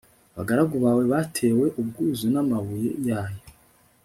abagaragu bawe batewe ubwuzu n'amabuye yayo